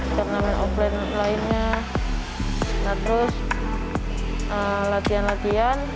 turnamen offline lainnya terus latihan latihan